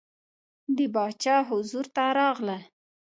د باچا حضور ته راغلل.